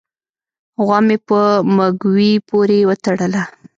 غوا مې په مږوي پورې و تړله